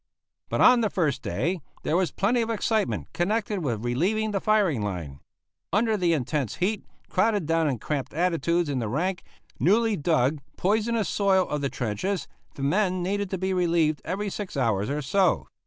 But on the first day there was plenty of excitement connected with relieving the firing line. Under the intense heat, crowded down in cramped attitudes in the rank, newly dug, poisonous soil of the trenches, the men needed to be relieved every six hours or so.